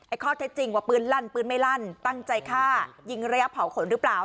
ข้อเท็จจริงว่าปืนลั่นปืนไม่ลั่นตั้งใจฆ่ายิงระยะเผาขนหรือเปล่า